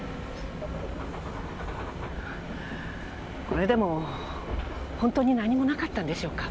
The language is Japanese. これでも本当に何もなかったんでしょうか？